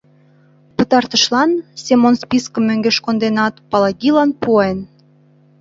Пытартышлан Семон спискым мӧҥгеш конденат, Палагилан пуэн.